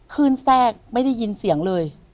คลื่นแทรกไม่ได้ยินเสี่ยงเลย